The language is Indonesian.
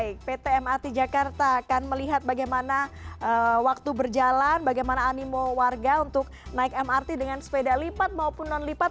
baik pt mrt jakarta akan melihat bagaimana waktu berjalan bagaimana animo warga untuk naik mrt dengan sepeda lipat maupun non lipat